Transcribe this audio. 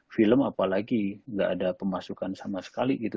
film apalagi nggak ada pemasukan sama sekali gitu